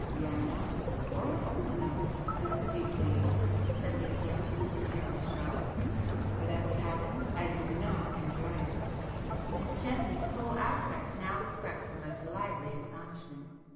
"Young enough, or old enough;—just as you please;"—said Lucio with a careless shrug—"But as it happens—I do not enjoy it!" Miss Chesney's whole aspect now expressed the most lively astonishment.